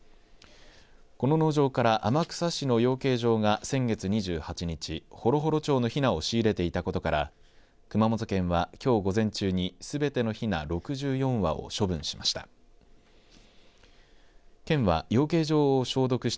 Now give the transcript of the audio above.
この農場から天草市の養鶏場が先月２８日、ホロホロ鳥のひなを仕入れていたことから熊本県はきょう午前中に、すべてのひな６４羽を処分しました。